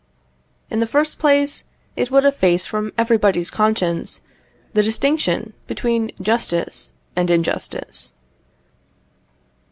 In the first place, it would efface from everybody's conscience the distinction between justice and injustice.